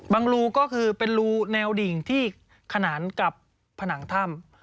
รูก็คือเป็นรูแนวดิ่งที่ขนานกับผนังถ้ำ